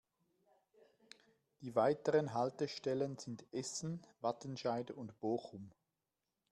Die weiteren Haltestellen sind Essen, Wattenscheid und Bochum.